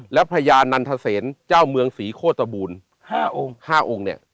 และพญานันทเสนเจ้าเมืองศรีโคตรบูร๕องค์